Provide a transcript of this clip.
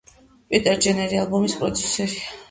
პიტერ ჯენერი ალბომის პროდიუსერია.